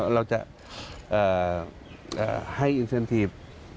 เราจะให้อินเซ็นทีฟ